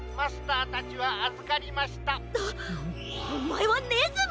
おまえはねずみ！